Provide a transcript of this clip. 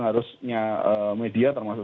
harusnya media termasuk